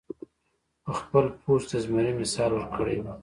پۀ خپل پوسټ کښې د زمري مثال ورکړے وۀ -